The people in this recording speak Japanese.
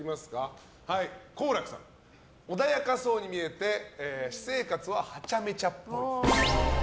好楽さん、穏やかそうに見えて私生活はハチャメチャっぽい。